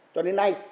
cho đến nay